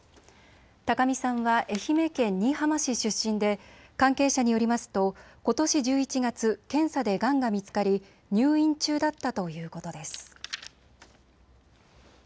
高見さんは愛媛県新居浜市出身で関係者によりますとことし１１月、検査でがんが見つかり入院中だったということです。